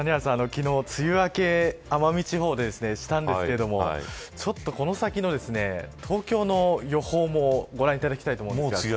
昨日梅雨明け奄美地方でしたんですがちょっとこの先の東京の予報もご覧いただきたいと思います。